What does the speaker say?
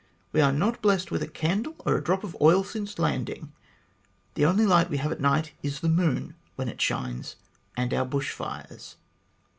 We have not been blessed with a candle or a drop of oil since landing. The only light we have at night is the moon (when it shines), and our bush fires."